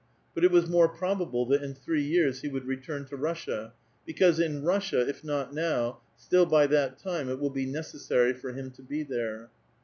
But it was more probable that in three years he would return to Russia, because in Russia, if not now, still by that time, it will be '* necessary" for him to be there.